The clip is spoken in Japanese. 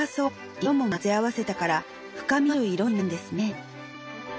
色も混ぜ合わせたから深みのある色になるんですね。